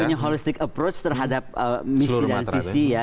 punya holistic approach terhadap misi dan visi ya